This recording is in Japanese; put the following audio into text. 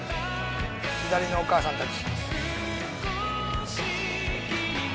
左のお母さんたち。